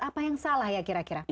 apa yang salah ya kira kira